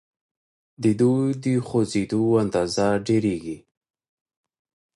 د دوی د خوځیدو اندازه ډیریږي.